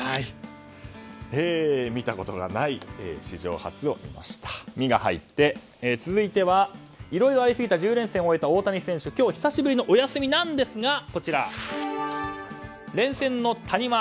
見たことない史上初の「ミ」が入っていろいろありすぎた１０連戦を終えた大谷選手、今日久しぶりのお休みなんですが連戦の谷間